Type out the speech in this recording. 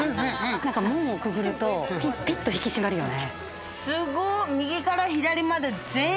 門をくぐるとピッと身が引き締まるよね。